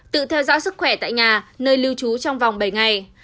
tự theo dõi sức khỏe tại nhà nơi lưu trú trong vòng bảy ngày